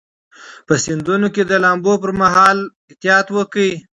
په سیندونو کې د لامبو پر مهال احتیاط وکړئ.